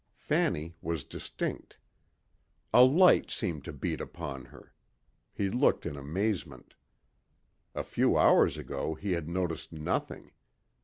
Fanny was distinct. A light seemed to beat upon her. He looked in amazement. A few hours ago he had noticed nothing.